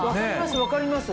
分かります。